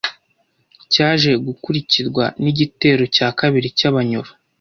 cyaje gukurikirwa n’igitero cya kabiri cy’Abanyoro